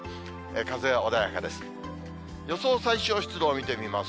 風は穏やかです。